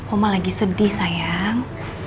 oma lagi sedih sayang